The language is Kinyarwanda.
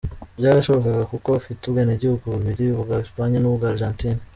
Byarashobokaga kuko afite ubwenegihugu bubiri, ubwa Espagne n’ubw’Argentine.